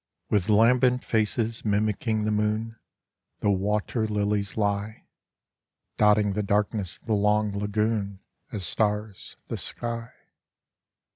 II With lambent faces, mimicking the moon, The water lilies lie; Dotting the darkness of the long lagoon As stars, the sky.